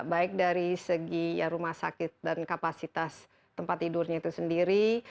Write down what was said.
baik dari segi rumah sakit dan kapasitas tempat tidurnya itu sendiri